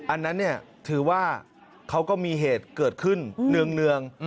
อันนั้นเนี่ยถือว่าเขาก็มีเหตุเกิดขึ้นเนือง